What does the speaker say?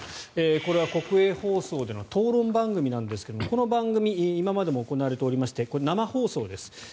これは国営放送での討論番組なんですが、この番組は今までも行われていましてこれ、生放送です。